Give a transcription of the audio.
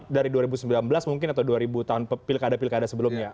dari dua ribu sembilan belas mungkin atau dua ribu tahun pilkada pilkada sebelumnya